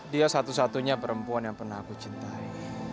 dia satu satunya perempuan yang pernah aku cintai